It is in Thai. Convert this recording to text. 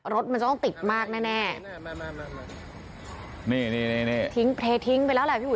รถมันจะต้องติดมากแน่นี่ทิ้งไปแล้วแหละพี่หุย